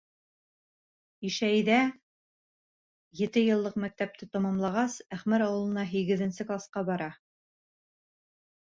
Ишәйҙә ете йыллыҡ мәктәпте тамамлағас, Әхмәр ауылына һигеҙенсе класҡа бара.